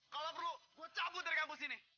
kalau perlu gue cabut dari kampus ini